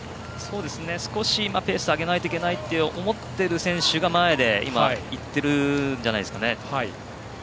少しペースを上げないといけないと思っている選手が今行っているんじゃないですかね。